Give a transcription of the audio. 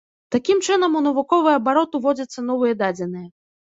Такім чынам у навуковы абарот уводзяцца новыя дадзеныя.